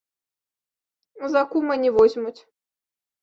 За кума не возьмуць.